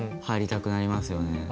入りたくなりますよね